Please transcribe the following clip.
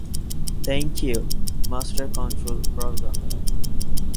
Thank you, Master Control Program.